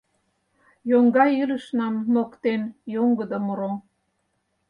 Йоҥга илышнам моктен йоҥгыдо муро.